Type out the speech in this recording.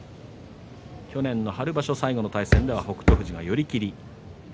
去年の春場所、最後の対戦では北勝富士が寄り切り。